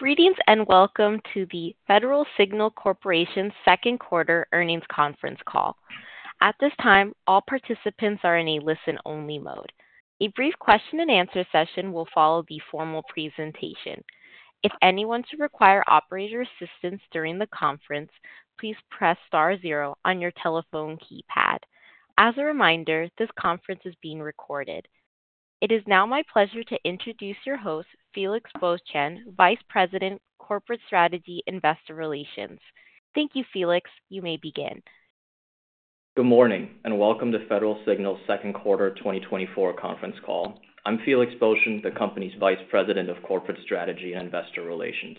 Greetings and welcome to the Federal Signal Corporation's second quarter earnings conference call. At this time, all participants are in a listen-only mode. A brief question-and-answer session will follow the formal presentation. If anyone should require operator assistance during the conference, please press star zero on your telephone keypad. As a reminder, this conference is being recorded. It is now my pleasure to introduce your host, Felix Boeschen, Vice President, Corporate Strategy, Investor Relations. Thank you, Felix. You may begin. Good morning and welcome to Federal Signal's second quarter 2024 conference call. I'm Felix Boeschen, the company's Vice President of Corporate Strategy and Investor Relations.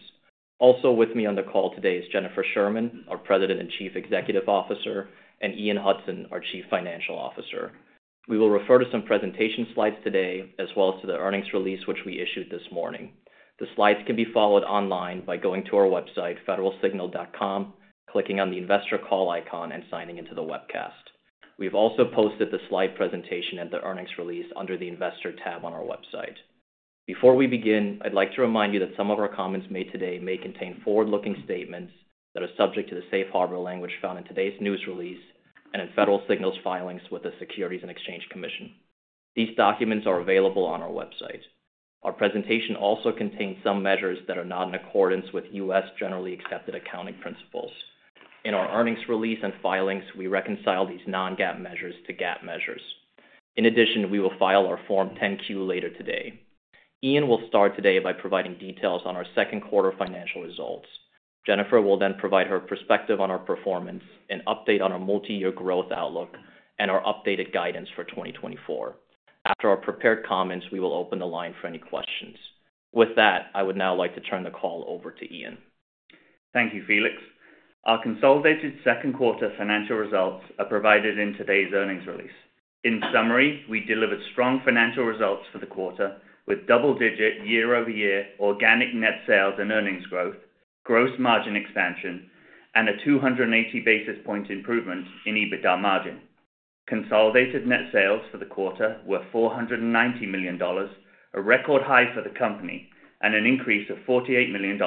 Also with me on the call today is Jennifer Sherman, our President and Chief Executive Officer, and Ian Hudson, our Chief Financial Officer. We will refer to some presentation slides today as well as to the earnings release which we issued this morning. The slides can be followed online by going to our website, federalsignal.com, clicking on the investor call icon, and signing into the webcast. We've also posted the slide presentation and the earnings release under the investor tab on our website. Before we begin, I'd like to remind you that some of our comments made today may contain forward-looking statements that are subject to the safe harbor language found in today's news release and in Federal Signal's filings with the Securities and Exchange Commission. These documents are available on our website. Our presentation also contains some measures that are not in accordance with U.S. generally accepted accounting principles. In our earnings release and filings, we reconcile these non-GAAP measures to GAAP measures. In addition, we will file our Form 10-Q later today. Ian will start today by providing details on our second quarter financial results. Jennifer will then provide her perspective on our performance, an update on our multi-year growth outlook, and our updated guidance for 2024. After our prepared comments, we will open the line for any questions. With that, I would now like to turn the call over to Ian. Thank you, Felix. Our consolidated second quarter financial results are provided in today's earnings release. In summary, we delivered strong financial results for the quarter with double-digit year-over-year organic net sales and earnings growth, gross margin expansion, and a 280 basis point improvement in EBITDA margin. Consolidated net sales for the quarter were $490 million, a record high for the company, and an increase of $48 million,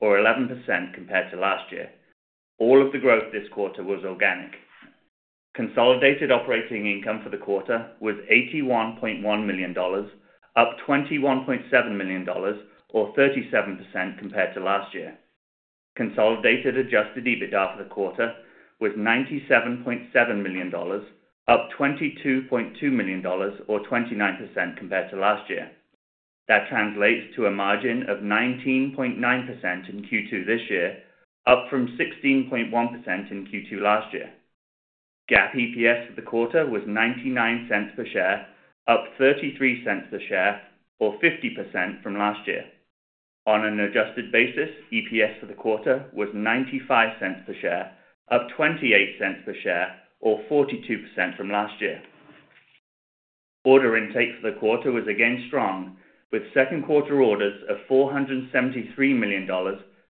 or 11% compared to last year. All of the growth this quarter was organic. Consolidated operating income for the quarter was $81.1 million, up $21.7 million, or 37% compared to last year. Consolidated adjusted EBITDA for the quarter was $97.7 million, up $22.2 million, or 29% compared to last year. That translates to a margin of 19.9% in Q2 this year, up from 16.1% in Q2 last year. GAAP EPS for the quarter was $0.99 per share, up $0.33 per share, or 50% from last year. On an adjusted basis, EPS for the quarter was $0.95 per share, up $0.28 per share, or 42% from last year. Order intake for the quarter was again strong, with second quarter orders of $473 million,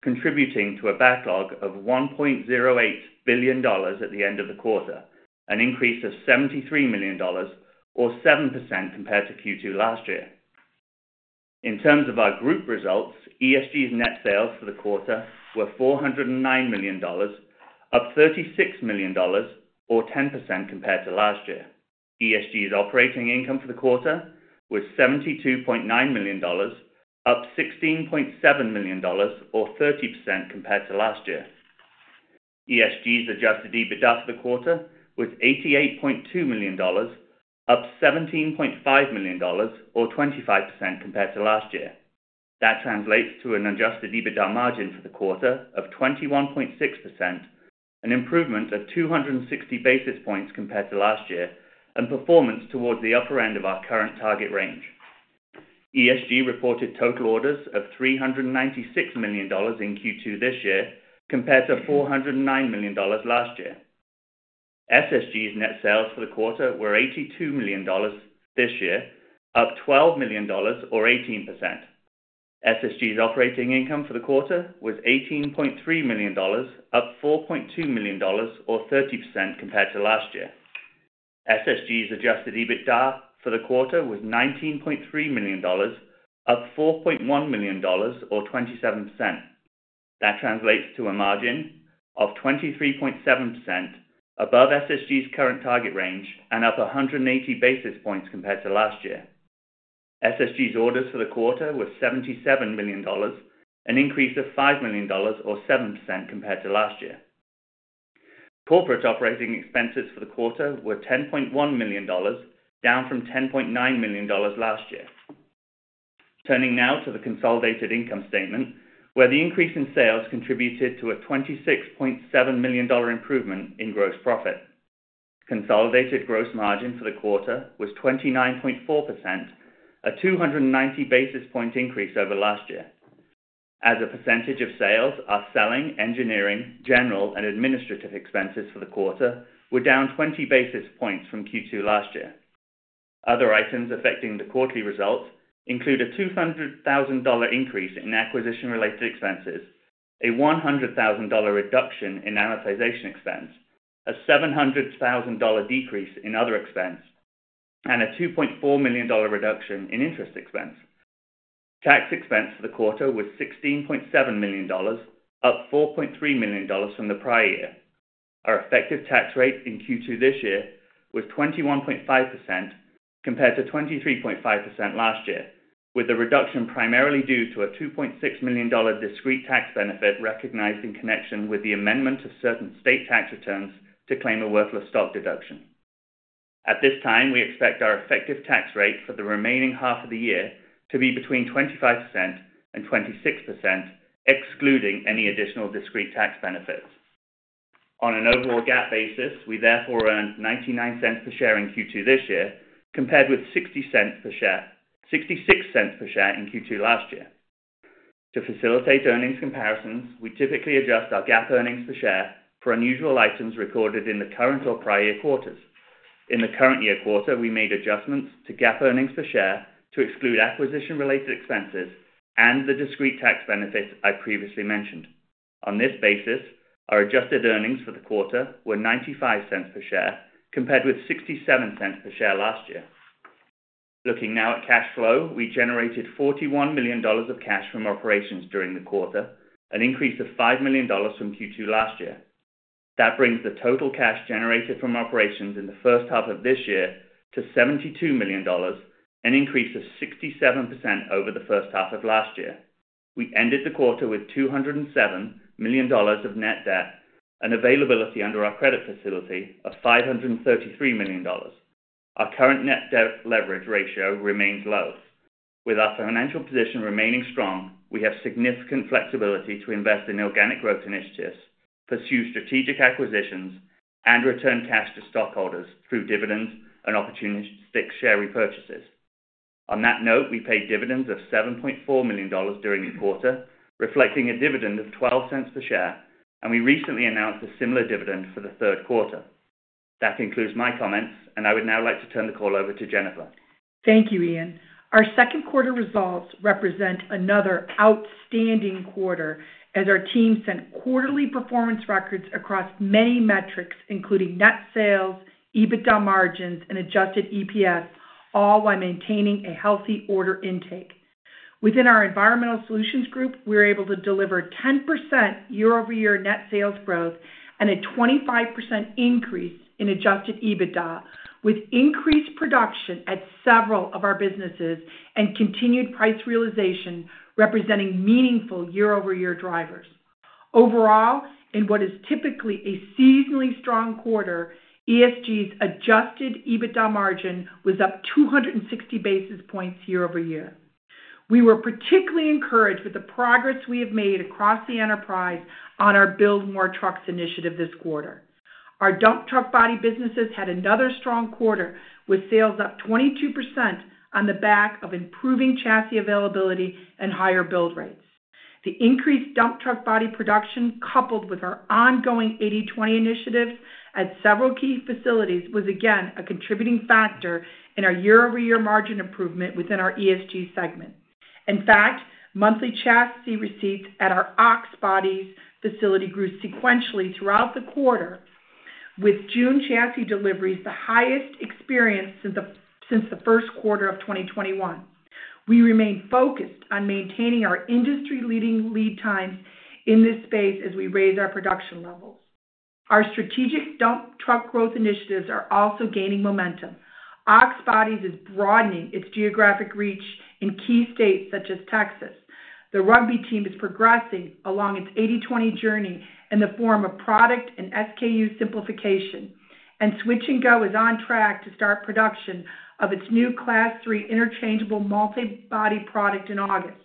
contributing to a backlog of $1.08 billion at the end of the quarter, an increase of $73 million, or 7% compared to Q2 last year. In terms of our group results, ESG's net sales for the quarter were $409 million, up $36 million, or 10% compared to last year. ESG's operating income for the quarter was $72.9 million, up $16.7 million, or 30% compared to last year. ESG's adjusted EBITDA for the quarter was $88.2 million, up $17.5 million, or 25% compared to last year. That translates to an adjusted EBITDA margin for the quarter of 21.6%, an improvement of 260 basis points compared to last year, and performance towards the upper end of our current target range. ESG reported total orders of $396 million in Q2 this year compared to $409 million last year. SSG's net sales for the quarter were $82 million this year, up $12 million, or 18%. SSG's operating income for the quarter was $18.3 million, up $4.2 million, or 30% compared to last year. SSG's adjusted EBITDA for the quarter was $19.3 million, up $4.1 million, or 27%. That translates to a margin of 23.7% above SSG's current target range and up 180 basis points compared to last year. SSG's orders for the quarter were $77 million, an increase of $5 million, or 7% compared to last year. Corporate operating expenses for the quarter were $10.1 million, down from $10.9 million last year. Turning now to the consolidated income statement, where the increase in sales contributed to a $26.7 million improvement in gross profit. Consolidated gross margin for the quarter was 29.4%, a 290 basis point increase over last year. As a percentage of sales, our selling, engineering, general, and administrative expenses for the quarter were down 20 basis points from Q2 last year. Other items affecting the quarterly results include a $200,000 increase in acquisition-related expenses, a $100,000 reduction in amortization expense, a $700,000 decrease in other expense, and a $2.4 million reduction in interest expense. Tax expense for the quarter was $16.7 million, up $4.3 million from the prior year. Our effective tax rate in Q2 this year was 21.5% compared to 23.5% last year, with the reduction primarily due to a $2.6 million discrete tax benefit recognized in connection with the amendment of certain state tax returns to claim a worker's stock deduction. At this time, we expect our effective tax rate for the remaining half of the year to be between 25% and 26%, excluding any additional discrete tax benefits. On an overall GAAP basis, we therefore earned $0.99 per share in Q2 this year, compared with $0.60 per share, $0.66 per share in Q2 last year. To facilitate earnings comparisons, we typically adjust our GAAP earnings per share for unusual items recorded in the current or prior year quarters. In the current year quarter, we made adjustments to GAAP earnings per share to exclude acquisition-related expenses and the discrete tax benefits I previously mentioned. On this basis, our adjusted earnings for the quarter were $0.95 per share, compared with $0.67 per share last year. Looking now at cash flow, we generated $41 million of cash from operations during the quarter, an increase of $5 million from Q2 last year. That brings the total cash generated from operations in the first half of this year to $72 million, an increase of 67% over the first half of last year. We ended the quarter with $207 million of net debt and availability under our credit facility of $533 million. Our current net debt leverage ratio remains low. With our financial position remaining strong, we have significant flexibility to invest in organic growth initiatives, pursue strategic acquisitions, and return cash to stockholders through dividends and opportunistic share repurchases. On that note, we paid dividends of $7.4 million during the quarter, reflecting a dividend of $0.12 per share, and we recently announced a similar dividend for the third quarter. That concludes my comments, and I would now like to turn the call over to Jennifer. Thank you, Ian. Our second quarter results represent another outstanding quarter as our team set quarterly performance records across many metrics, including net sales, EBITDA margins, and adjusted EPS, all while maintaining a healthy order intake. Within our Environmental Solutions Group, we were able to deliver 10% year-over-year net sales growth and a 25% increase in adjusted EBITDA, with increased production at several of our businesses and continued price realization representing meaningful year-over-year drivers. Overall, in what is typically a seasonally strong quarter, ESG's adjusted EBITDA margin was up 260 basis points year-over-year. We were particularly encouraged with the progress we have made across the enterprise on our Build More Trucks initiative this quarter. Our dump truck body businesses had another strong quarter with sales up 22% on the back of improving chassis availability and higher build rates. The increased dump truck body production, coupled with our ongoing 80/20 initiatives at several key facilities, was again a contributing factor in our year-over-year margin improvement within our ESG segment. In fact, monthly chassis receipts at our Ox Bodies facility grew sequentially throughout the quarter, with June chassis deliveries the highest experienced since the first quarter of 2021. We remain focused on maintaining our industry-leading lead times in this space as we raise our production levels. Our strategic dump truck growth initiatives are also gaining momentum. Ox Bodies is broadening its geographic reach in key states such as Texas. The Rugby team is progressing along its 80/20 journey in the form of product and SKU simplification, and Switch-N-Go is on track to start production of its new Class 3 interchangeable multi-body product in August.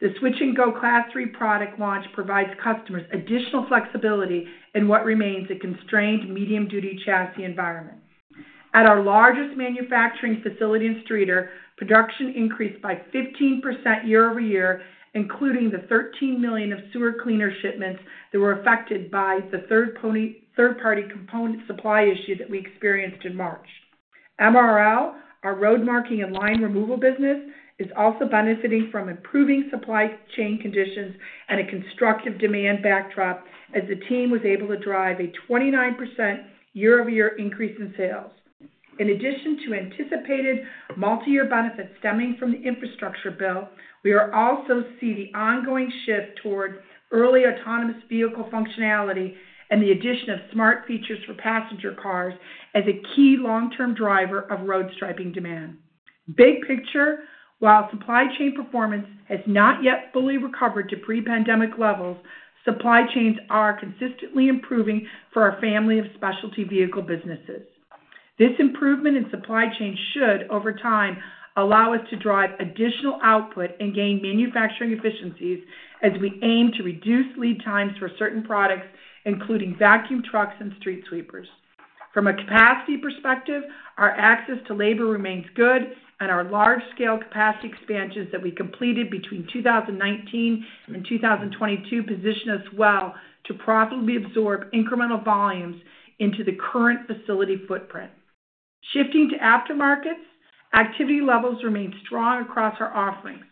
The Switch-N-Go Class 3 product launch provides customers additional flexibility in what remains a constrained medium-duty chassis environment. At our largest manufacturing facility in Streator, production increased by 15% year-over-year, including the $13 million of sewer cleaner shipments that were affected by the third-party component supply issue that we experienced in March. MRL, our road marking and line removal business, is also benefiting from improving supply chain conditions and a constructive demand backdrop as the team was able to drive a 29% year-over-year increase in sales. In addition to anticipated multi-year benefits stemming from the infrastructure bill, we also see the ongoing shift toward early autonomous vehicle functionality and the addition of smart features for passenger cars as a key long-term driver of road striping demand. Big picture, while supply chain performance has not yet fully recovered to pre-pandemic levels, supply chains are consistently improving for our family of specialty vehicle businesses. This improvement in supply chain should, over time, allow us to drive additional output and gain manufacturing efficiencies as we aim to reduce lead times for certain products, including vacuum trucks and street sweepers. From a capacity perspective, our access to labor remains good, and our large-scale capacity expansions that we completed between 2019 and 2022 position us well to profitably absorb incremental volumes into the current facility footprint. Shifting to aftermarkets, activity levels remain strong across our offerings.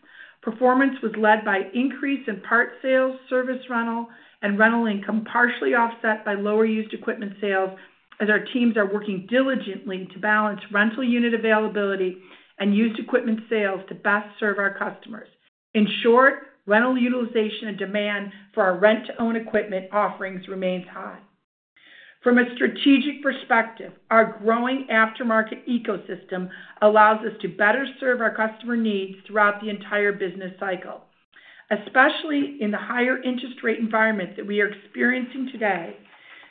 Performance was led by increase in parts sales, service rental, and rental income partially offset by lower used equipment sales as our teams are working diligently to balance rental unit availability and used equipment sales to best serve our customers. In short, rental utilization and demand for our rent-to-own equipment offerings remains high. From a strategic perspective, our growing aftermarket ecosystem allows us to better serve our customer needs throughout the entire business cycle. Especially in the higher interest rate environment that we are experiencing today,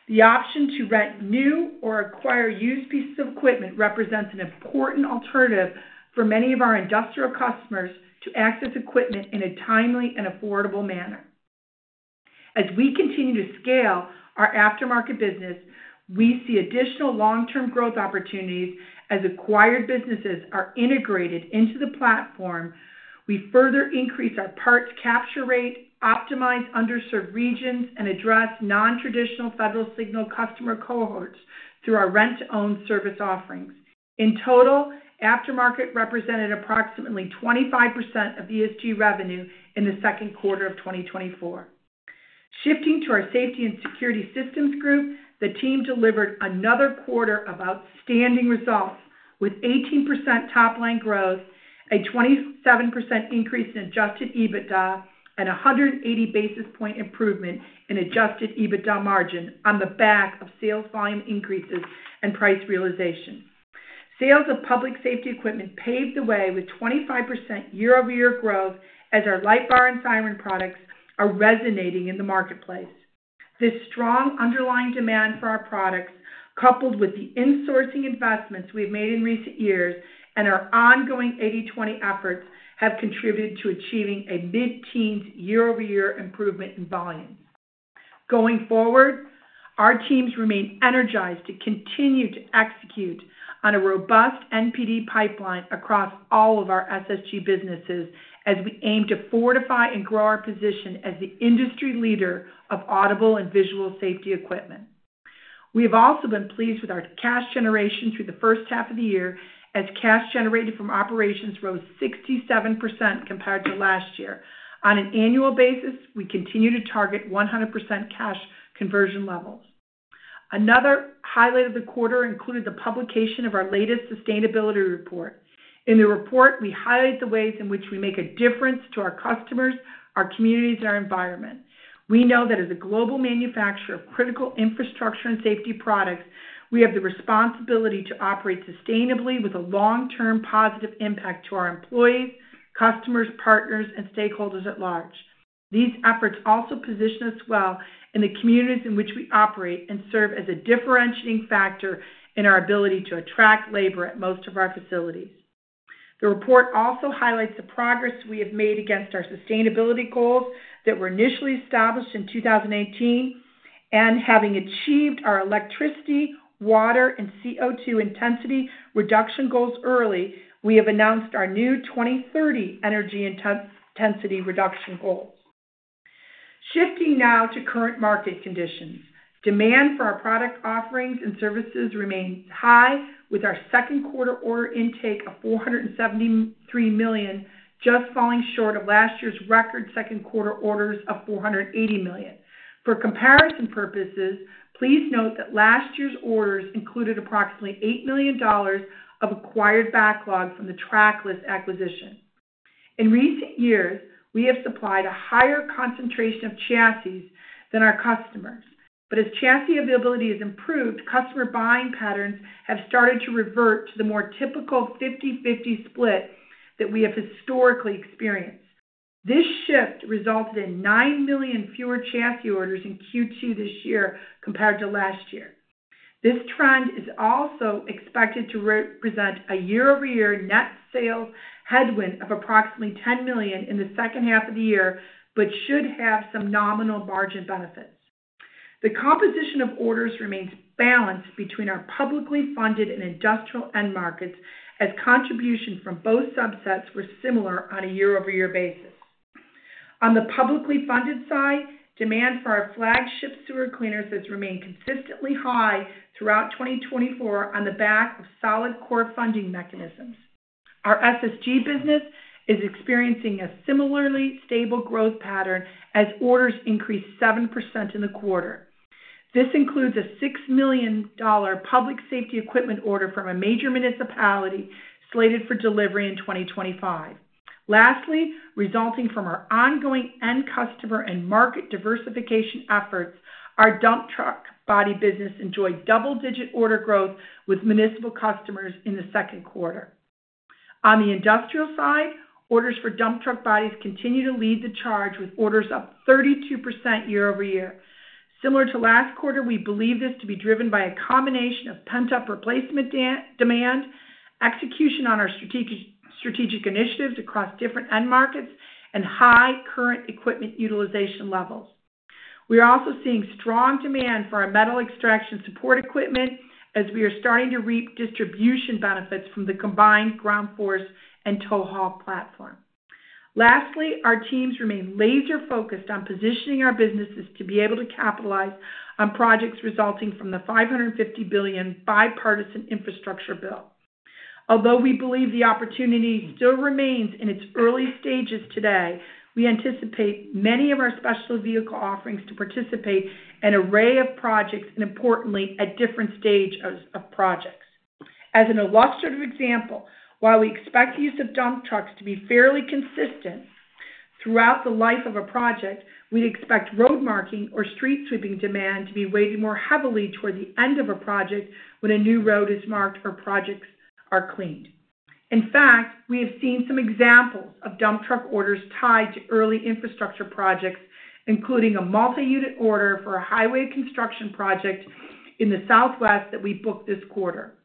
the option to rent new or acquire used pieces of equipment represents an important alternative for many of our industrial customers to access equipment in a timely and affordable manner. As we continue to scale our aftermarket business, we see additional long-term growth opportunities as acquired businesses are integrated into the platform. We further increase our parts capture rate, optimize underserved regions, and address non-traditional Federal Signal customer cohorts through our rent-to-own service offerings. In total, aftermarket represented approximately 25% of ESG revenue in the second quarter of 2024. Shifting to our safety and security systems group, the team delivered another quarter of outstanding results with 18% top-line growth, a 27% increase in adjusted EBITDA, and 180 basis point improvement in adjusted EBITDA margin on the back of sales volume increases and price realization. Sales of public safety equipment paved the way with 25% year-over-year growth as our light bar and siren products are resonating in the marketplace. This strong underlying demand for our products, coupled with the insourcing investments we've made in recent years and our ongoing 80/20 efforts, have contributed to achieving a mid-teens year-over-year improvement in volumes. Going forward, our teams remain energized to continue to execute on a robust NPD pipeline across all of our SSG businesses as we aim to fortify and grow our position as the industry leader of audible and visual safety equipment. We have also been pleased with our cash generation through the first half of the year as cash generated from operations rose 67% compared to last year. On an annual basis, we continue to target 100% cash conversion levels. Another highlight of the quarter included the publication of our latest sustainability report. In the report, we highlight the ways in which we make a difference to our customers, our communities, and our environment. We know that as a global manufacturer of critical infrastructure and safety products, we have the responsibility to operate sustainably with a long-term positive impact to our employees, customers, partners, and stakeholders at large. These efforts also position us well in the communities in which we operate and serve as a differentiating factor in our ability to attract labor at most of our facilities. The report also highlights the progress we have made against our sustainability goals that were initially established in 2018. Having achieved our electricity, water, and CO2 intensity reduction goals early, we have announced our new 2030 energy intensity reduction goals. Shifting now to current market conditions, demand for our product offerings and services remains high with our second quarter order intake of $473 million, just falling short of last year's record second quarter orders of $480 million. For comparison purposes, please note that last year's orders included approximately $8 million of acquired backlog from the Trackless acquisition. In recent years, we have supplied a higher concentration of chassis than our customers. But as chassis availability has improved, customer buying patterns have started to revert to the more typical 50/50 split that we have historically experienced. This shift resulted in 9 million fewer chassis orders in Q2 this year compared to last year. This trend is also expected to represent a year-over-year net sales headwind of approximately $10 million in the second half of the year, but should have some nominal margin benefits. The composition of orders remains balanced between our publicly funded and industrial end markets as contributions from both subsets were similar on a year-over-year basis. On the publicly funded side, demand for our flagship sewer cleaners has remained consistently high throughout 2024 on the back of solid core funding mechanisms. Our SSG business is experiencing a similarly stable growth pattern as orders increased 7% in the quarter. This includes a $6 million public safety equipment order from a major municipality slated for delivery in 2025. Lastly, resulting from our ongoing end customer and market diversification efforts, our dump truck body business enjoyed double-digit order growth with municipal customers in the second quarter. On the industrial side, orders for dump truck bodies continue to lead the charge with orders up 32% year-over-year. Similar to last quarter, we believe this to be driven by a combination of pent-up replacement demand, execution on our strategic initiatives across different end markets, and high current equipment utilization levels. We are also seeing strong demand for our metal extraction support equipment as we are starting to reap distribution benefits from the combined Ground Force and TowHaul platform. Lastly, our teams remain laser-focused on positioning our businesses to be able to capitalize on projects resulting from the $550 billion bipartisan infrastructure bill. Although we believe the opportunity still remains in its early stages today, we anticipate many of our special vehicle offerings to participate in an array of projects and, importantly, at different stages of projects. As an illustrative example, while we expect the use of dump trucks to be fairly consistent throughout the life of a project, we'd expect road marking or street sweeping demand to be weighted more heavily toward the end of a project when a new road is marked or projects are cleaned. In fact, we have seen some examples of dump truck orders tied to early infrastructure projects, including a multi-unit order for a highway construction project in the Southwest that we booked this quarter.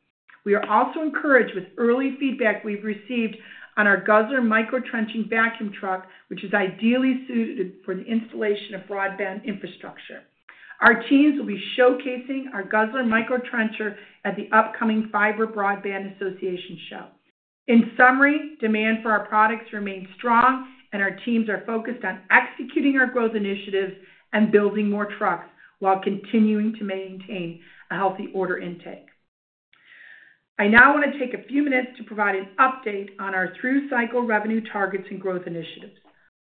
We are also encouraged with early feedback we've received on our Guzzler Micro Trenching Vacuum Truck, which is ideally suited for the installation of broadband infrastructure. Our teams will be showcasing our Guzzler Micro Trencher at the upcoming Fiber Broadband Association show. In summary, demand for our products remains strong, and our teams are focused on executing our growth initiatives and building more trucks while continuing to maintain a healthy order intake. I now want to take a few minutes to provide an update on our through-cycle revenue targets and growth initiatives.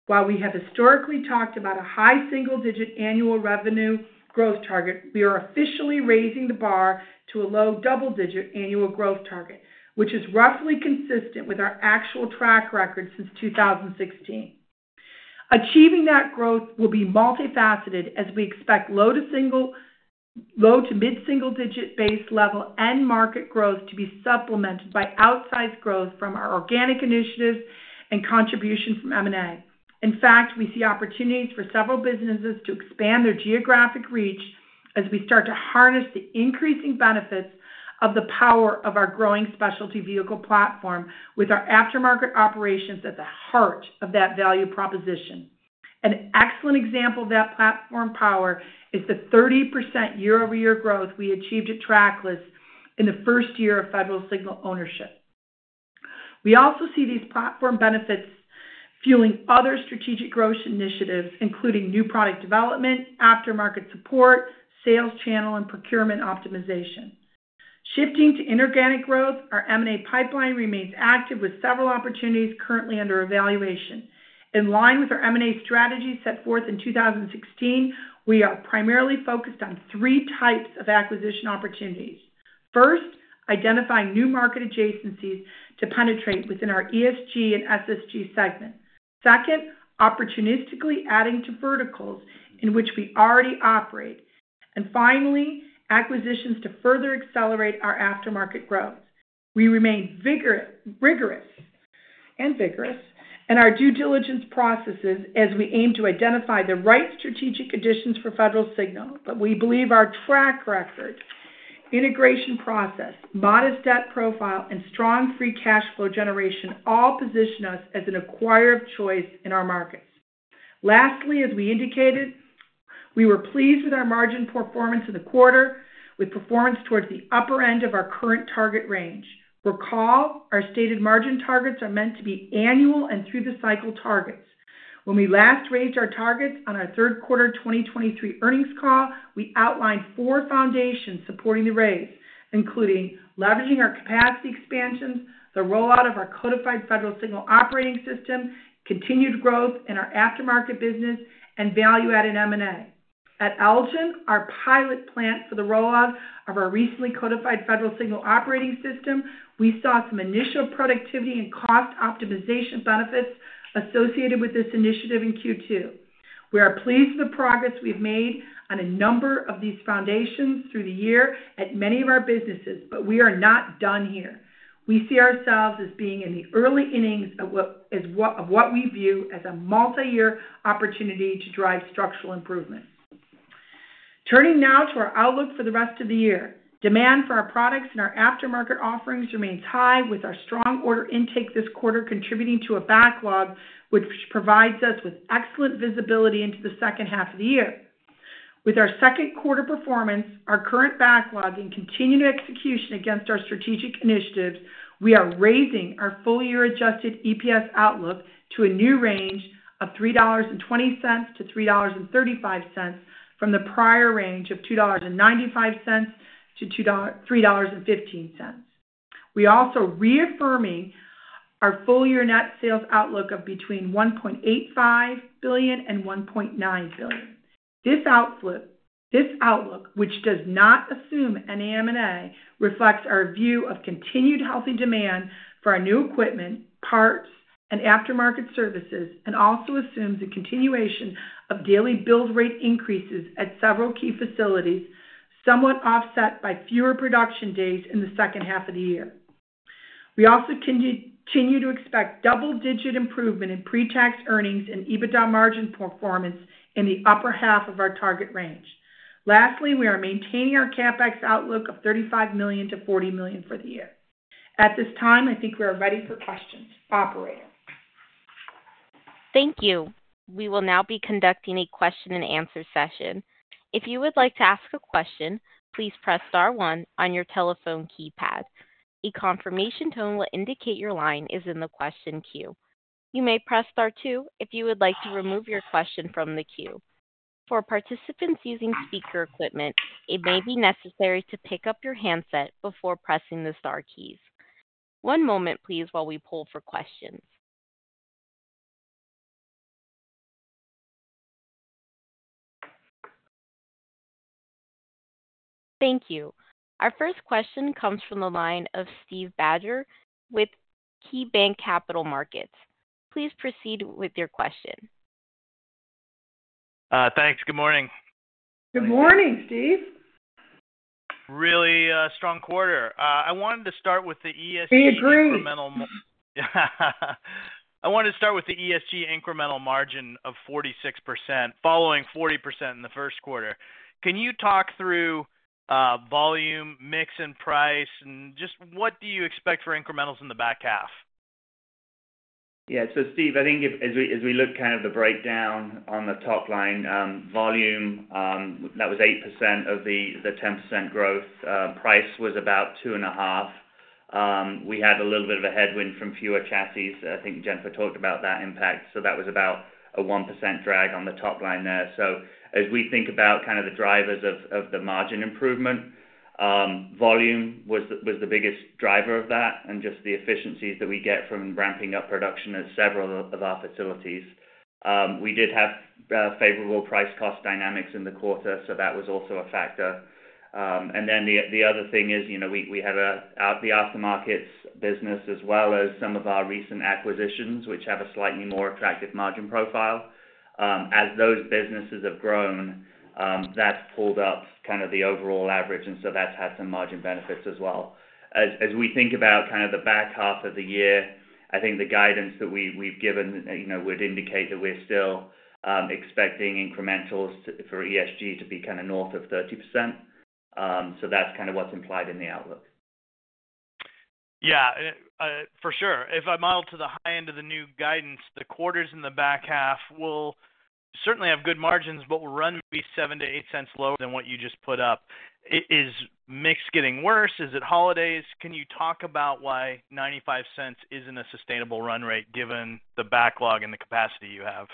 While we have historically talked about a high single-digit annual revenue growth target, we are officially raising the bar to a low double-digit annual growth target, which is roughly consistent with our actual track record since 2016. Achieving that growth will be multifaceted as we expect low to mid-single-digit base level end market growth to be supplemented by outsized growth from our organic initiatives and contribution from M&A. In fact, we see opportunities for several businesses to expand their geographic reach as we start to harness the increasing benefits of the power of our growing specialty vehicle platform with our aftermarket operations at the heart of that value proposition. An excellent example of that platform power is the 30% year-over-year growth we achieved at Trackless in the first year of Federal Signal ownership. We also see these platform benefits fueling other strategic growth initiatives, including new product development, aftermarket support, sales channel, and procurement optimization. Shifting to inorganic growth, our M&A pipeline remains active with several opportunities currently under evaluation. In line with our M&A strategy set forth in 2016, we are primarily focused on three types of acquisition opportunities. First, identifying new market adjacencies to penetrate within our ESG and SSG segment. Second, opportunistically adding to verticals in which we already operate. And finally, acquisitions to further accelerate our aftermarket growth. We remain vigorous and vigorous in our due diligence processes as we aim to identify the right strategic additions for Federal Signal, but we believe our track record, integration process, modest debt profile, and strong free cash flow generation all position us as an acquirer of choice in our markets. Lastly, as we indicated, we were pleased with our margin performance in the quarter, with performance towards the upper end of our current target range. Recall, our stated margin targets are meant to be annual and through-the-cycle targets. When we last raised our targets on our third quarter 2023 earnings call, we outlined four foundations supporting the raise, including leveraging our capacity expansions, the rollout of our codified Federal Signal operating system, continued growth in our aftermarket business, and value-added M&A. At Elgin, our pilot plant for the rollout of our recently codified Federal Signal Operating System, we saw some initial productivity and cost optimization benefits associated with this initiative in Q2. We are pleased with the progress we've made on a number of these foundations through the year at many of our businesses, but we are not done here. We see ourselves as being in the early innings of what we view as a multi-year opportunity to drive structural improvement. Turning now to our outlook for the rest of the year, demand for our products and our aftermarket offerings remains high, with our strong order intake this quarter contributing to a backlog, which provides us with excellent visibility into the second half of the year. With our second quarter performance, our current backlog, and continued execution against our strategic initiatives, we are raising our full-year adjusted EPS outlook to a new range of $3.20-$3.35 from the prior range of $2.95-$3.15. We are also reaffirming our full-year net sales outlook of between $1.85 billion and $1.9 billion. This outlook, which does not assume any M&A, reflects our view of continued healthy demand for our new equipment, parts, and aftermarket services, and also assumes a continuation of daily build rate increases at several key facilities, somewhat offset by fewer production days in the second half of the year. We also continue to expect double-digit improvement in pre-tax earnings and EBITDA margin performance in the upper half of our target range. Lastly, we are maintaining our CapEx outlook of $35 million-$40 million for the year. At this time, I think we are ready for questions, Operator. Thank you. We will now be conducting a question-and-answer session. If you would like to ask a question, please press star one on your telephone keypad. A confirmation tone will indicate your line is in the question queue. You may press star two if you would like to remove your question from the queue. For participants using speaker equipment, it may be necessary to pick up your handset before pressing the star keys. One moment, please, while we pull for questions. Thank you. Our first question comes from the line of Steve Barger with KeyBanc Capital Markets. Please proceed with your question. Thanks. Good morning. Good morning, Steve. Really strong quarter. I wanted to start with the ESG incremental margin. I wanted to start with the ESG incremental margin of 46%, following 40% in the first quarter. Can you talk through volume, mix, and price, and just what do you expect for incrementals in the back half? Yeah. So, Steve, I think as we look kind of the breakdown on the top line, volume, that was 8% of the 10% growth. Price was about 2.5%. We had a little bit of a headwind from fewer chassis. I think Jennifer talked about that impact. So that was about a 1% drag on the top line there. So as we think about kind of the drivers of the margin improvement, volume was the biggest driver of that and just the efficiencies that we get from ramping up production at several of our facilities. We did have favorable price-cost dynamics in the quarter, so that was also a factor. Then the other thing is we had the aftermarkets business as well as some of our recent acquisitions, which have a slightly more attractive margin profile. As those businesses have grown, that's pulled up kind of the overall average, and so that's had some margin benefits as well. As we think about kind of the back half of the year, I think the guidance that we've given would indicate that we're still expecting incrementals for ESG to be kind of north of 30%. So that's kind of what's implied in the outlook. Yeah. For sure. If I model to the high end of the new guidance, the quarters in the back half will certainly have good margins, but will run maybe $0.07-$0.08 lower than what you just put up. Is mix getting worse? Is it holidays? Can you talk about why $0.95 isn't a sustainable run rate given the backlog and the capacity you have?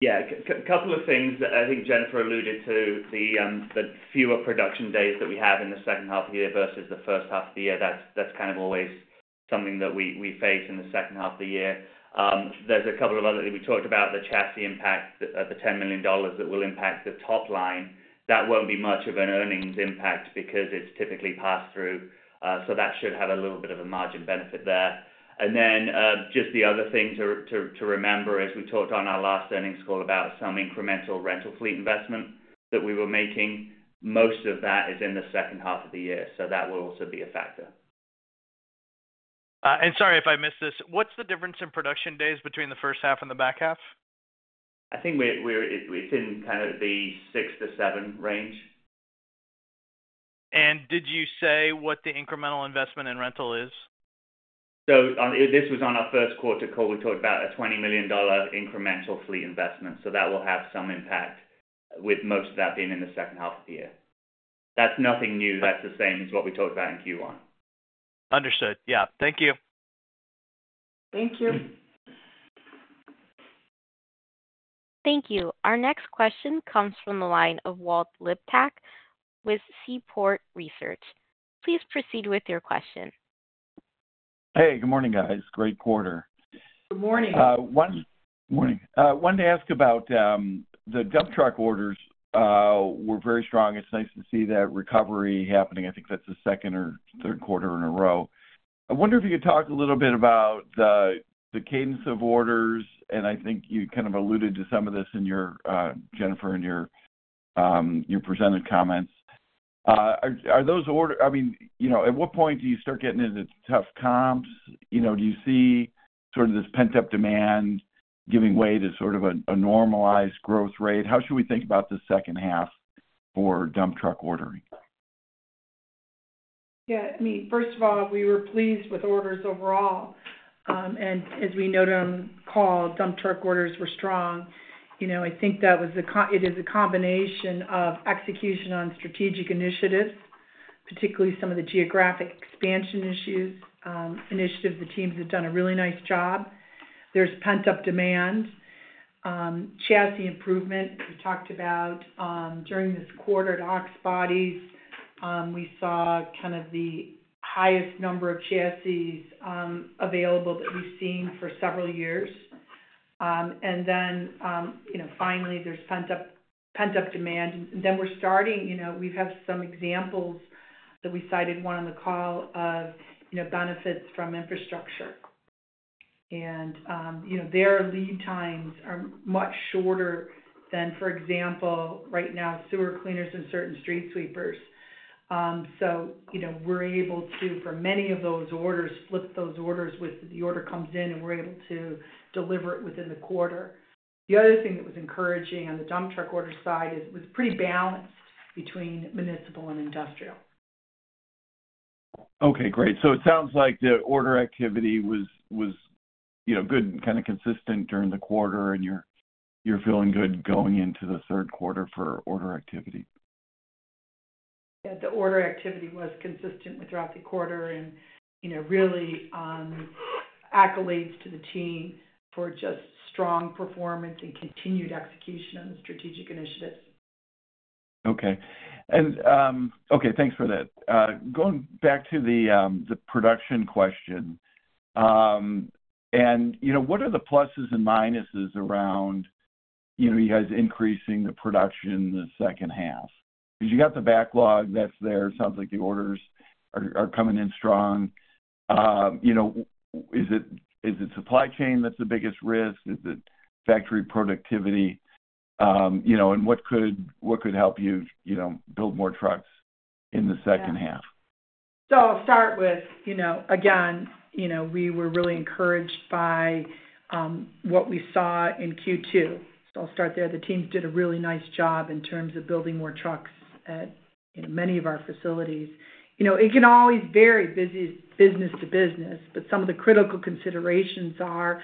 Yeah. A couple of things that I think Jennifer alluded to, the fewer production days that we have in the second half of the year versus the first half of the year, that's kind of always something that we face in the second half of the year. There's a couple of other things we talked about, the chassis impact, the $10 million that will impact the top line. That won't be much of an earnings impact because it's typically pass-through. So that should have a little bit of a margin benefit there. And then just the other things to remember, as we talked on our last earnings call about some incremental rental fleet investment that we were making, most of that is in the second half of the year. So that will also be a factor. Sorry if I missed this. What's the difference in production days between the first half and the back half? I think it's in kind of the six-seven range. Did you say what the incremental investment in rental is? So this was on our first quarter call. We talked about a $20 million incremental fleet investment. So that will have some impact, with most of that being in the second half of the year. That's nothing new. That's the same as what we talked about in Q1. Understood. Yeah. Thank you. Thank you. Thank you. Our next question comes from the line of Walt Liptak with Seaport Research. Please proceed with your question. Hey. Good morning, guys. Great quarter. Good morning. Good morning. I wanted to ask about the dump truck orders were very strong. It's nice to see that recovery happening. I think that's the second or third quarter in a row. I wonder if you could talk a little bit about the cadence of orders. And I think you kind of alluded to some of this in your, Jennifer, in your presented comments. Are those orders—I mean, at what point do you start getting into tough comps? Do you see sort of this pent-up demand giving way to sort of a normalized growth rate? How should we think about the second half for dump truck ordering? Yeah. I mean, first of all, we were pleased with orders overall. And as we noted on the call, dump truck orders were strong. I think that was the—it is a combination of execution on strategic initiatives, particularly some of the geographic expansion initiatives the teams have done a really nice job. There's pent-up demand. Chassis improvement, we talked about during this quarter at Ox Bodies'. We saw kind of the highest number of chassis available that we've seen for several years. And then finally, there's pent-up demand. And then we're starting, we have some examples that we cited one on the call of benefits from infrastructure. And their lead times are much shorter than, for example, right now, sewer cleaners and certain street sweepers. So we're able to, for many of those orders, flip those orders with the order comes in, and we're able to deliver it within the quarter. The other thing that was encouraging on the dump truck order side is it was pretty balanced between municipal and industrial. Okay. Great. So it sounds like the order activity was good and kind of consistent during the quarter, and you're feeling good going into the third quarter for order activity. Yeah. The order activity was consistent throughout the quarter and real accolades to the team for just strong performance and continued execution on the strategic initiatives. Okay. Okay. Thanks for that. Going back to the production question, and what are the pluses and minuses around you guys increasing the production in the second half? Because you got the backlog that's there. It sounds like the orders are coming in strong. Is it supply chain that's the biggest risk? Is it factory productivity? And what could help you build more trucks in the second half? So I'll start with, again, we were really encouraged by what we saw in Q2. So I'll start there. The teams did a really nice job in terms of building more trucks at many of our facilities. It can always vary business to business, but some of the critical considerations are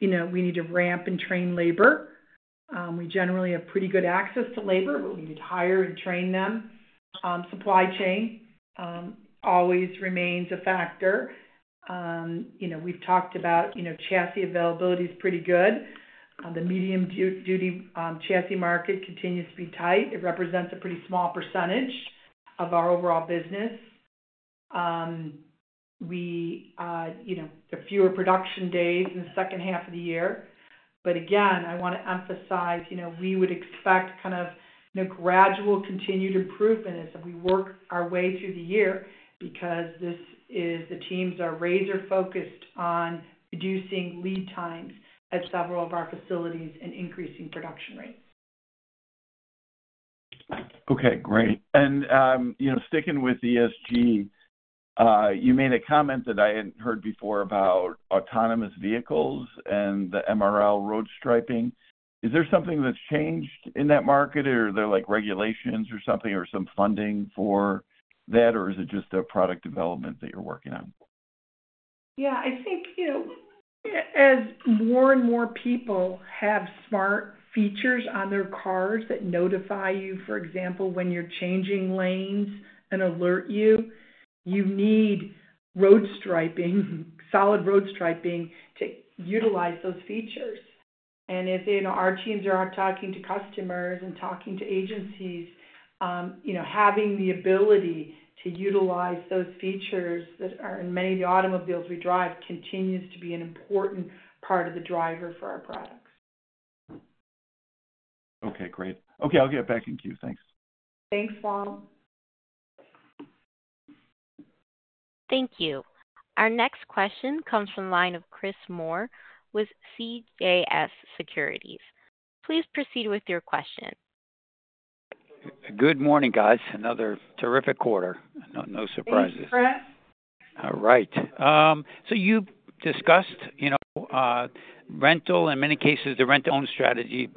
we need to ramp and train labor. We generally have pretty good access to labor, but we need to hire and train them. Supply chain always remains a factor. We've talked about chassis availability is pretty good. The medium-duty chassis market continues to be tight. It represents a pretty small percentage of our overall business. We have fewer production days in the second half of the year. But again, I want to emphasize we would expect kind of gradual continued improvement as we work our way through the year because the teams are razor-focused on reducing lead times at several of our facilities and increasing production rates. Okay. Great. And sticking with ESG, you made a comment that I hadn't heard before about autonomous vehicles and the MRL road striping. Is there something that's changed in that market, or are there regulations or something or some funding for that, or is it just a product development that you're working on? Yeah. I think as more and more people have smart features on their cars that notify you, for example, when you're changing lanes and alert you, you need road striping, solid road striping to utilize those features. And as our teams are out talking to customers and talking to agencies, having the ability to utilize those features that are in many of the automobiles we drive continues to be an important part of the driver for our products. Okay. Great. Okay. I'll get back in queue. Thanks. Thanks, Walt. Thank you. Our next question comes from the line of Chris Moore with CJS Securities. Please proceed with your question. Good morning, guys. Another terrific quarter. No surprises. Thanks, Brett. All right. So you've discussed rental and, in many cases, the rent-owned strategy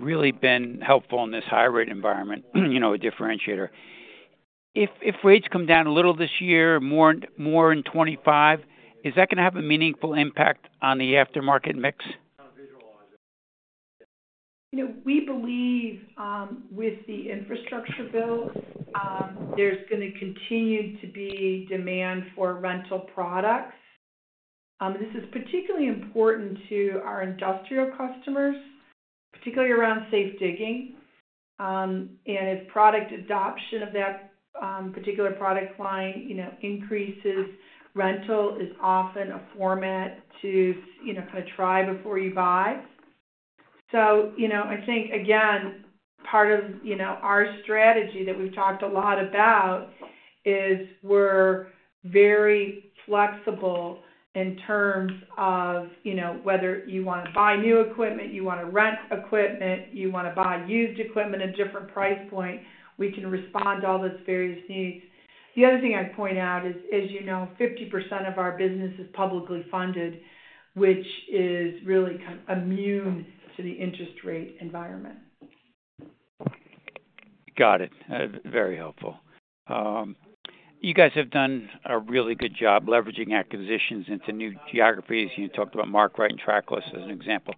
really been helpful in this high-rate environment, a differentiator. If rates come down a little this year, more in 2025, is that going to have a meaningful impact on the aftermarket mix? We believe with the infrastructure bill, there's going to continue to be demand for rental products. This is particularly important to our industrial customers, particularly around safe digging. And if product adoption of that particular product line increases, rental is often a format to kind of try before you buy. So I think, again, part of our strategy that we've talked a lot about is we're very flexible in terms of whether you want to buy new equipment, you want to rent equipment, you want to buy used equipment at a different price point. We can respond to all those various needs. The other thing I'd point out is 50% of our business is publicly funded, which is really kind of immune to the interest rate environment. Got it. Very helpful. You guys have done a really good job leveraging acquisitions into new geographies. You talked about Mark Rite and Trackless as an example.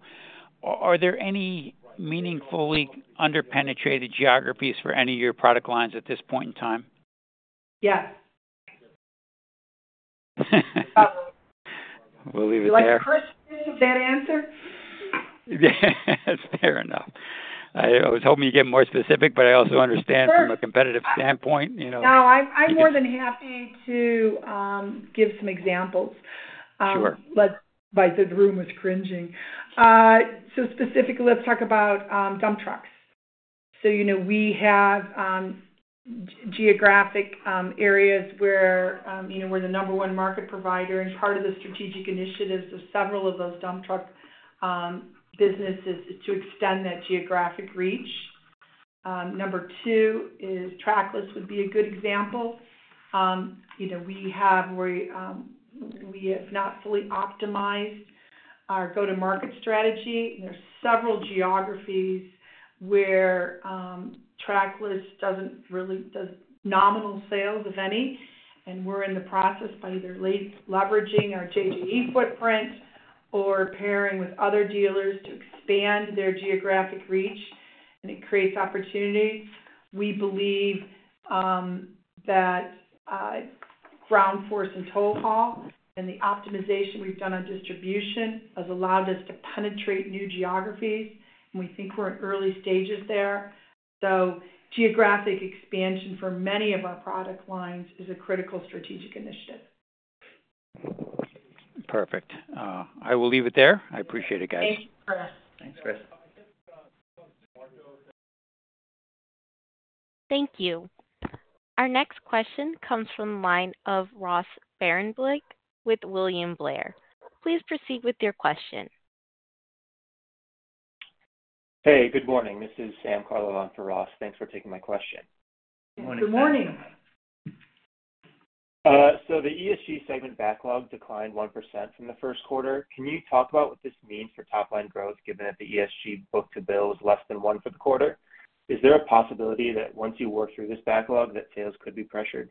Are there any meaningfully underpenetrated geographies for any of your product lines at this point in time? Yes. No problem. We'll leave it there. Like Christmas is a bad answer? Yeah. That's fair enough. I was hoping you'd get more specific, but I also understand from a competitive standpoint. No, I'm more than happy to give some examples. But the room was cringing. So specifically, let's talk about dump trucks. So we have geographic areas where we're the number one market provider. Part of the strategic initiatives of several of those dump truck businesses is to extend that geographic reach. Number two is Trackless would be a good example. We have not fully optimized our go-to-market strategy. There are several geographies where Trackless doesn't really do nominal sales, if any. And we're in the process of either leveraging our JGE footprint or pairing with other dealers to expand their geographic reach, and it creates opportunity. We believe that Ground Force and Tow Haul and the optimization we've done on distribution has allowed us to penetrate new geographies. And we think we're in early stages there. So geographic expansion for many of our product lines is a critical strategic initiative. Perfect. I will leave it there. I appreciate it, guys. Thank you, Chris. Thanks, Chris. Thank you. Our next question comes from the line of Ross Sparenblek with William Blair. Please proceed with your question. Hey. Good morning. This is Sam Karlov for Ross. Thanks for taking my question. Good morning. Good morning. So the ESG segment backlog declined 1% from the first quarter. Can you talk about what this means for top-line growth, given that the ESG book to bill was less than one for the quarter? Is there a possibility that once you work through this backlog, that sales could be pressured?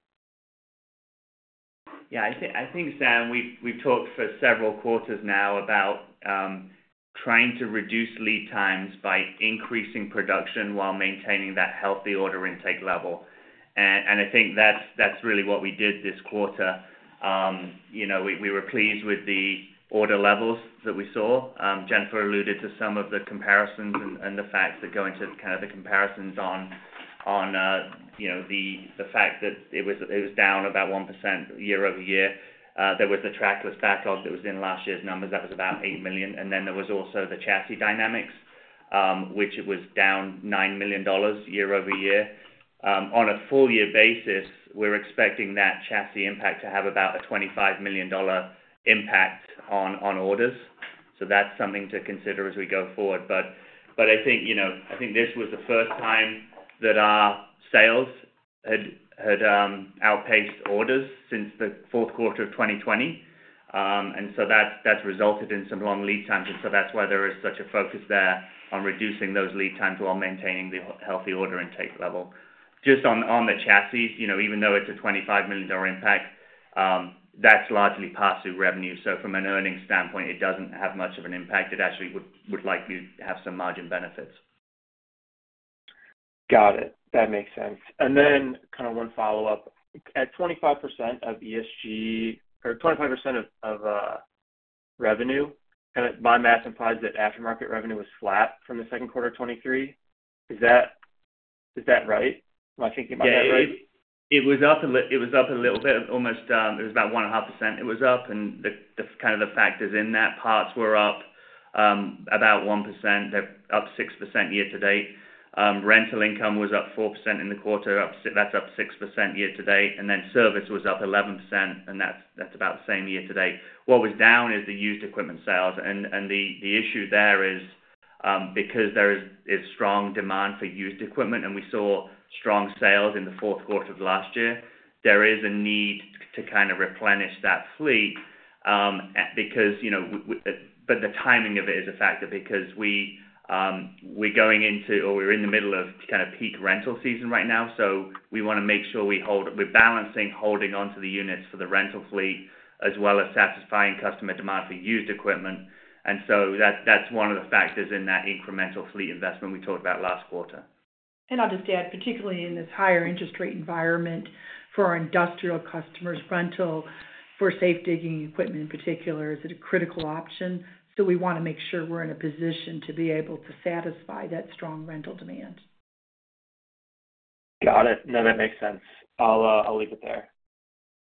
Yeah. I think, Sam, we've talked for several quarters now about trying to reduce lead times by increasing production while maintaining that healthy order intake level. And I think that's really what we did this quarter. We were pleased with the order levels that we saw. Jennifer alluded to some of the comparisons and the facts that go into kind of the comparisons on the fact that it was down about 1% year-over-year. There was the Trackless backlog that was in last year's numbers. That was about $8 million. And then there was also the chassis dynamics, which it was down $9 million year-over-year. On a full-year basis, we're expecting that chassis impact to have about a $25 million impact on orders. So that's something to consider as we go forward. But I think this was the first time that our sales had outpaced orders since the fourth quarter of 2020. And so that's resulted in some long lead times. And so that's why there is such a focus there on reducing those lead times while maintaining the healthy order intake level. Just on the chassis, even though it's a $25 million impact, that's largely pass-through revenue. So from an earnings standpoint, it doesn't have much of an impact. It actually would likely have some margin benefits. Got it. That makes sense. And then kind of one follow-up. At 25% of ESG or 25% of revenue, by math implies that aftermarket revenue was flat from the second quarter of 2023. Is that right? Am I thinking about that right? It was up a little bit. It was up a little bit. It was about 1.5%. It was up. And kind of the factors in that part were up about 1%. They're up 6% year to date. Rental income was up 4% in the quarter. That's up 6% year to date. And then service was up 11%. And that's about the same year to date. What was down is the used equipment sales. The issue there is because there is strong demand for used equipment, and we saw strong sales in the fourth quarter of last year, there is a need to kind of replenish that fleet because but the timing of it is a factor because we're going into or we're in the middle of kind of peak rental season right now. So we want to make sure we're balancing holding onto the units for the rental fleet as well as satisfying customer demand for used equipment. And so that's one of the factors in that incremental fleet investment we talked about last quarter. I'll just add, particularly in this higher interest rate environment for our industrial customers, rental for safe digging equipment in particular is a critical option. So we want to make sure we're in a position to be able to satisfy that strong rental demand. Got it.No, that makes sense. I'll leave it there.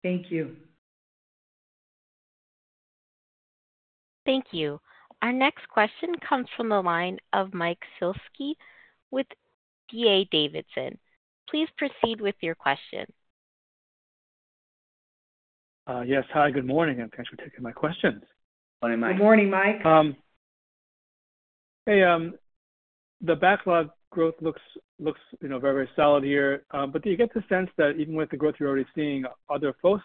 Thank you. Thank you. Our next question comes from the line of Mike Shlisky with D.A. Davidson. Please proceed with your question. Yes. Hi, good morning. And thanks for taking my questions. Good morning, Mike. Good morning, Mike. Hey, the backlog growth looks very, very solid here. But do you get the sense that even with the growth you're already seeing, other folks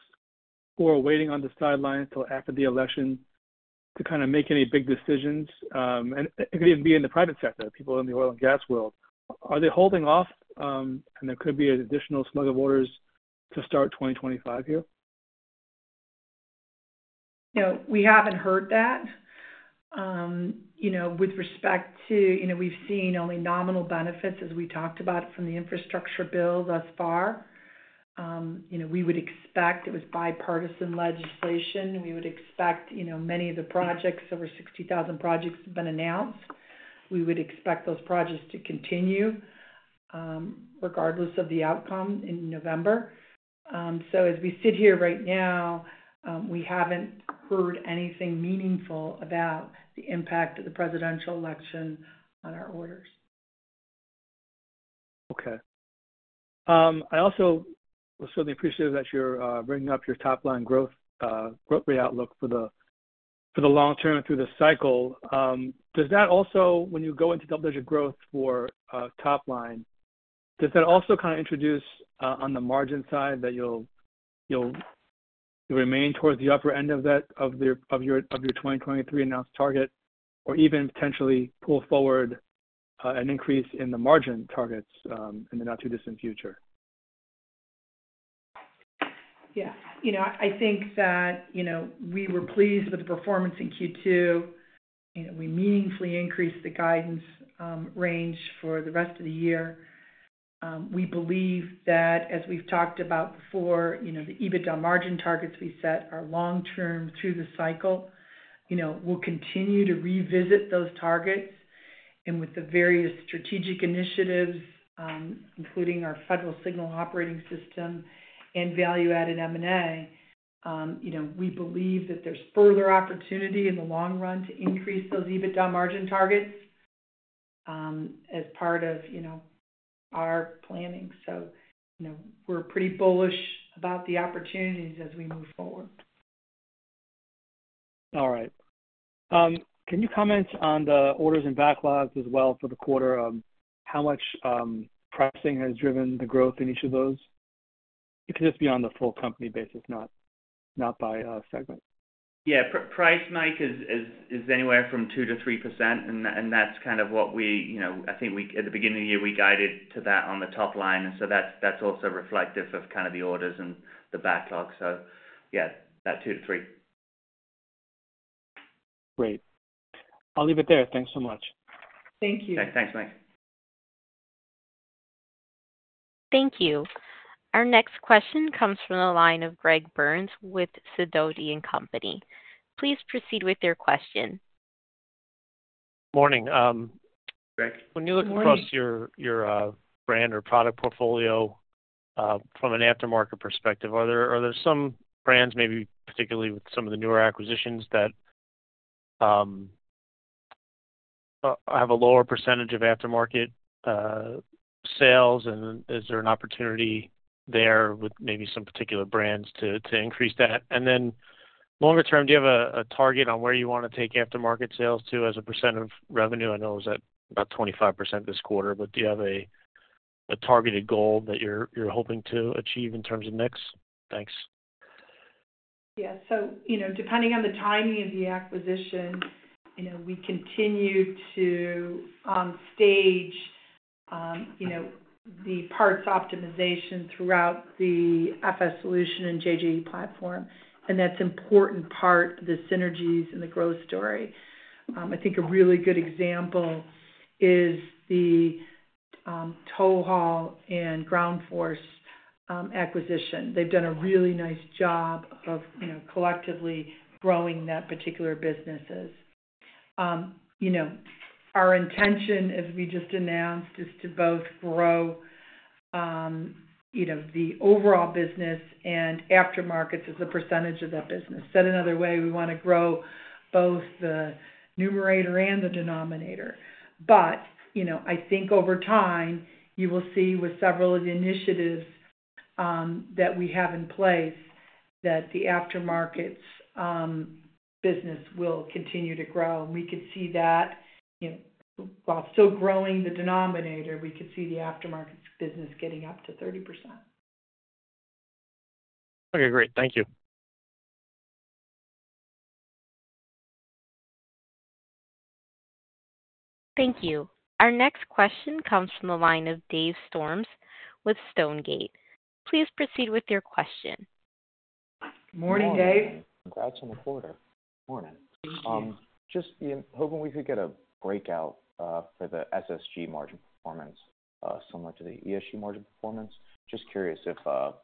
who are waiting on the sidelines till after the election to kind of make any big decisions? And it could even be in the private sector, people in the oil and gas world. Are they holding off? And there could be an additional slug of orders to start 2025 here? We haven't heard that. With respect to we've seen only nominal benefits, as we talked about, from the infrastructure bill thus far. We would expect it was bipartisan legislation. We would expect many of the projects, over 60,000 projects, have been announced. We would expect those projects to continue regardless of the outcome in November. So as we sit here right now, we haven't heard anything meaningful about the impact of the presidential election on our orders. Okay. I also certainly appreciate that you're bringing up your top-line growth rate outlook for the long term through the cycle. Does that also, when you go into double-digit growth for top line, does that also kind of introduce on the margin side that you'll remain towards the upper end of your 2023 announced target or even potentially pull forward an increase in the margin targets in the not-too-distant future? Yeah. I think that we were pleased with the performance in Q2. We meaningfully increased the guidance range for the rest of the year. We believe that, as we've talked about before, the EBITDA margin targets we set are long-term through the cycle. We'll continue to revisit those targets. And with the various strategic initiatives, including our Federal Signal Operating System and value-added M&A, we believe that there's further opportunity in the long run to increase those EBITDA margin targets as part of our planning. So we're pretty bullish about the opportunities as we move forward. All right. Can you comment on the orders and backlogs as well for the quarter? How much pricing has driven the growth in each of those? It could just be on the full company basis, not by segment. Yeah. Price, Mike, is anywhere from 2%-3%. And that's kind of what I think at the beginning of the year, we guided to that on the top line. And so that's also reflective of kind of the orders and the backlog. So yeah, that 2%-3%. Great. I'll leave it there. Thanks so much. Thank you. Thanks, Mike. Thank you. Our next question comes from the line of Greg Burns with Sidoti & Company. Please proceed with your question. Morning. Greg. When you look across your brand or product portfolio from an aftermarket perspective, are there some brands, maybe particularly with some of the newer acquisitions, that have a lower percentage of aftermarket sales? And is there an opportunity there with maybe some particular brands to increase that? And then longer term, do you have a target on where you want to take aftermarket sales to as a percent of revenue? I know it was at about 25% this quarter, but do you have a targeted goal that you're hoping to achieve in terms of mix? Thanks. Yeah. So depending on the timing of the acquisition, we continue to on stage the parts optimization throughout the FS Solutions and JGE platform. And that's an important part of the synergies and the growth story. I think a really good example is the TowHaul and Ground Force acquisition. They've done a really nice job of collectively growing that particular businesses. Our intention, as we just announced, is to both grow the overall business and aftermarkets as a percentage of that business. Said another way, we want to grow both the numerator and the denominator. But I think over time, you will see with several of the initiatives that we have in place that the aftermarkets business will continue to grow. And we could see that while still growing the denominator, we could see the aftermarkets business getting up to 30%. Okay. Great. Thank you. Thank you. Our next question comes from the line of Dave Storms with Stonegate. Please proceed with your question. Morning, Dave. Congrats on the quarter. Good morning. Thank you. Just hoping we could get a breakout for the SSG margin performance similar to the ESG margin performance. Just curious if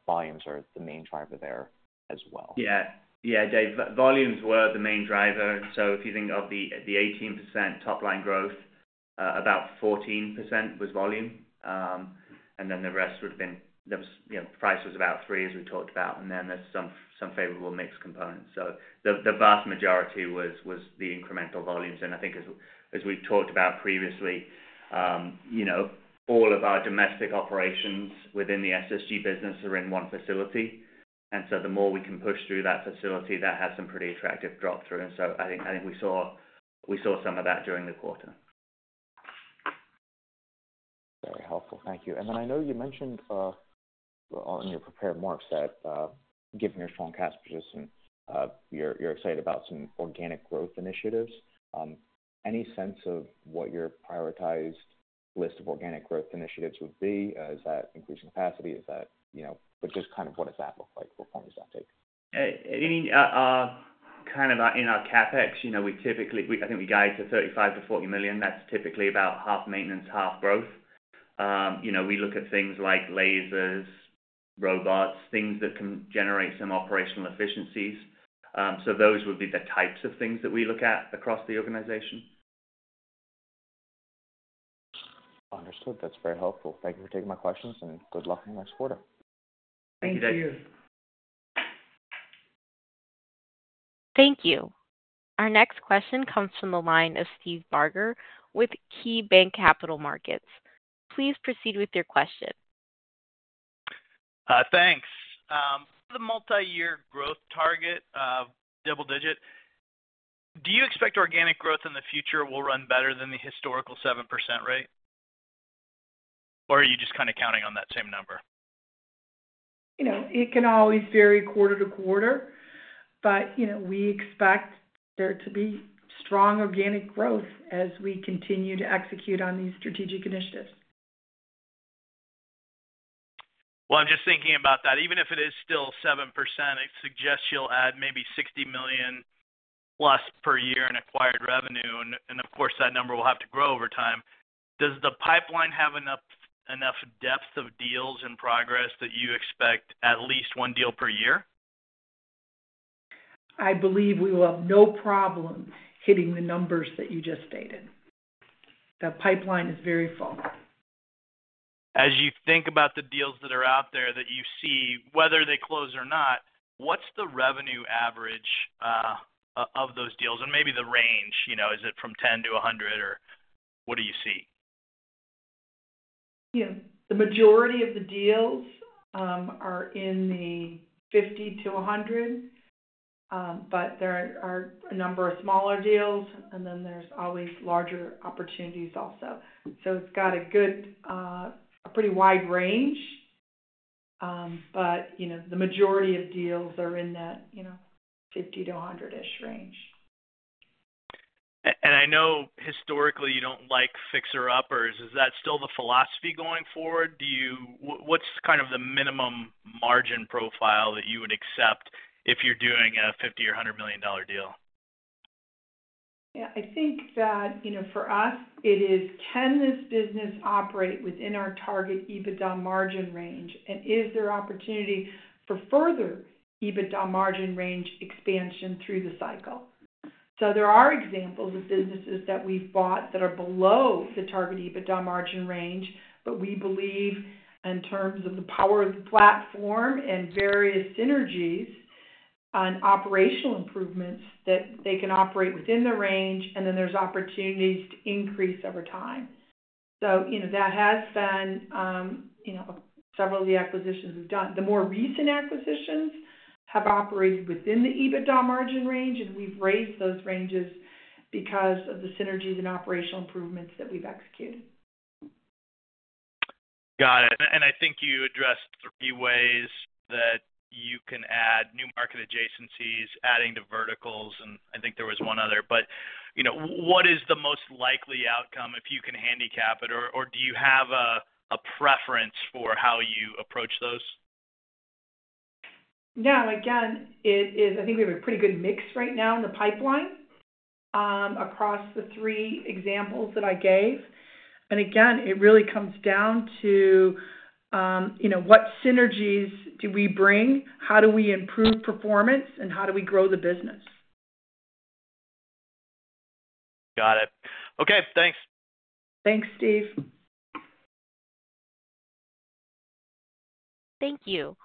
volumes are the main driver there as well. Yeah. Yeah, Dave. Volumes were the main driver. So if you think of the 18% top-line growth, about 14% was volume. And then the rest would have been price, was about 3%, as we talked about. And then there's some favorable mix components. So the vast majority was the incremental volumes. And I think as we've talked about previously, all of our domestic operations within the SSG business are in one facility. And so the more we can push through that facility, that has some pretty attractive drop-through. So I think we saw some of that during the quarter. Very helpful. Thank you. Then I know you mentioned on your prepared remarks that given your strong CAS position, you're excited about some organic growth initiatives. Any sense of what your prioritized list of organic growth initiatives would be? Is that increasing capacity? Is that but just kind of what does that look like? What form does that take? Kind of in our CapEx, we typically I think we guide to $35 million-$40 million. That's typically about half maintenance, half growth. We look at things like lasers, robots, things that can generate some operational efficiencies. So those would be the types of things that we look at across the organization. Understood. That's very helpful. Thank you for taking my questions. Good luck in the next quarter. Thank you, Dave. Thank you. Thank you. Our next question comes from the line of Steve Barger with KeyBanc Capital Markets. Please proceed with your question. Thanks. The multi-year growth target, double-digit, do you expect organic growth in the future will run better than the historical 7% rate? Or are you just kind of counting on that same number? It can always vary quarter to quarter. But we expect there to be strong organic growth as we continue to execute on these strategic initiatives. Well, I'm just thinking about that. Even if it is still 7%, it suggests you'll add maybe $60 million plus per year in acquired revenue. And of course, that number will have to grow over time. Does the pipeline have enough depth of deals in progress that you expect at least one deal per year? I believe we will have no problem hitting the numbers that you just stated. The pipeline is very full. As you think about the deals that are out there that you see, whether they close or not, what's the revenue average of those deals? And maybe the range. Is it from $10 million-$100 million, or what do you see? The majority of the deals are in the $50 million-$100 million. But there are a number of smaller deals. And then there's always larger opportunities also. So it's got a pretty wide range. But the majority of deals are in that $50 million-$100 million-ish range. And I know historically you don't like fixer-uppers. Is that still the philosophy going forward? What's kind of the minimum margin profile that you would accept if you're doing a $50 million or $100 million deal? Yeah. I think that for us, it is can this business operate within our target EBITDA margin range? Is there opportunity for further EBITDA margin range expansion through the cycle? So there are examples of businesses that we've bought that are below the target EBITDA margin range. But we believe in terms of the power of the platform and various synergies and operational improvements that they can operate within the range. And then there's opportunities to increase over time. So that has been several of the acquisitions we've done. The more recent acquisitions have operated within the EBITDA margin range. And we've raised those ranges because of the synergies and operational improvements that we've executed. Got it. And I think you addressed three ways that you can add new market adjacencies, adding to verticals. And I think there was one other. But what is the most likely outcome if you can handicap it? Or do you have a preference for how you approach those? No. Again, I think we have a pretty good mix right now in the pipeline across the three examples that I gave. And again, it really comes down to what synergies do we bring? How do we improve performance? And how do we grow the business? Got it. Okay. Thanks. Thanks, Steve. Thank you.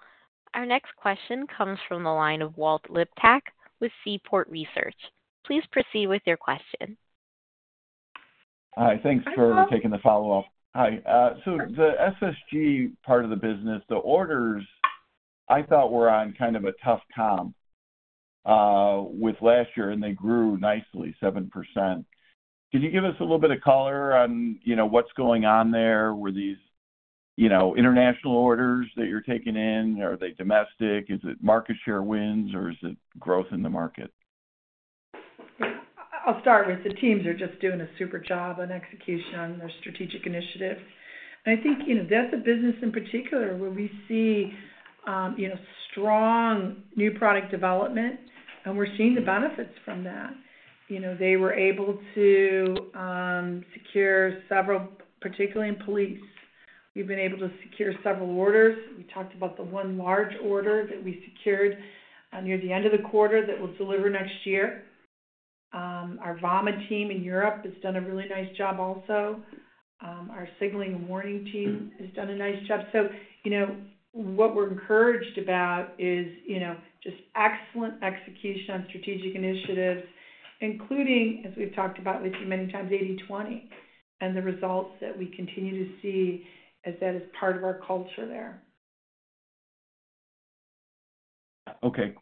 Our next question comes from the line of Walt Liptak with Seaport Research. Please proceed with your question. Hi. Thanks for taking the follow-up. Hi. So the SSG part of the business, the orders, I thought were on kind of a tough comp with last year. And they grew nicely, 7%. Can you give us a little bit of color on what's going on there? Were these international orders that you're taking in? Are they domestic? Is it market share wins? Or is it growth in the market? I'll start with the teams are just doing a super job on execution on their strategic initiatives. I think that's a business in particular where we see strong new product development. We're seeing the benefits from that. They were able to secure several, particularly in police. We've been able to secure several orders. We talked about the one large order that we secured near the end of the quarter that we'll deliver next year. Our VAMA team in Europe has done a really nice job also. Our signaling and warning team has done a nice job. So what we're encouraged about is just excellent execution on strategic initiatives, including, as we've talked about with you many times, 80,20. The results that we continue to see as that is part of our culture there. Okay.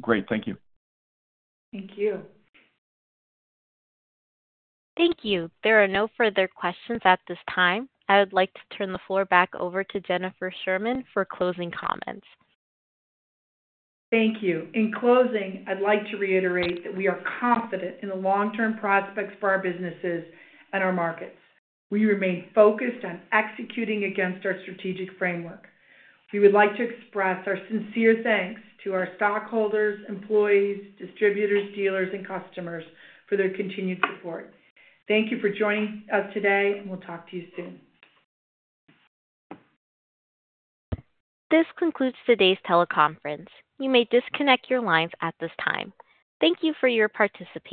Great.Thank you. Thank you. Thank you. There are no further questions at this time. I would like to turn the floor back over to Jennifer Sherman for closing comments. Thank you. In closing, I'd like to reiterate that we are confident in the long-term prospects for our businesses and our markets. We remain focused on executing against our strategic framework. We would like to express our sincere thanks to our stockholders, employees, distributors, dealers, and customers for their continued support. Thank you for joining us today. We'll talk to you soon. This concludes today's teleconference. You may disconnect your lines at this time. Thank you for your participation.